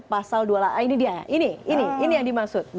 pasal dua a ini dia ini ini yang dimaksud